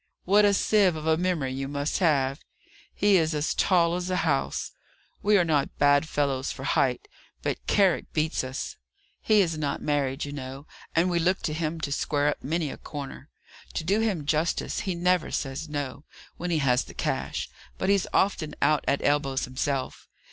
"What a sieve of a memory you must have! He is as tall as a house. We are not bad fellows for height, but Carrick beats us. He is not married, you know, and we look to him to square up many a corner. To do him justice, he never says No, when he has the cash, but he's often out at elbows himself.